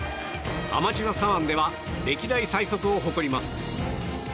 アマチュア左腕では歴代最速を誇ります。